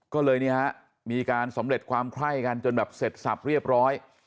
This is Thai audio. ก็เลยเนี่ยฮะมีการสำเร็จความไคร้กันจนแบบเสร็จสับเรียบร้อย